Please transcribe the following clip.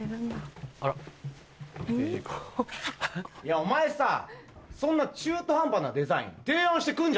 お前さそんな中途半端なデザイン提案してくんじゃねえよ。